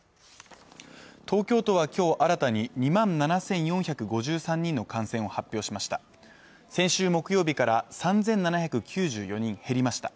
東京都は今日新たに２万７４５３人の感染を発表しました